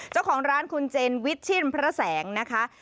เจ้าของร้านคุณเจนวิชชินพระแสงนะคะ